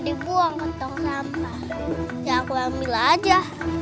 mengenang dia oh ala ya ya ya ya